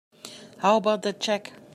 How about that check?